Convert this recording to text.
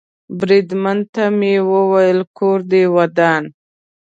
بریدمن ته مې وویل: کور دې ودان.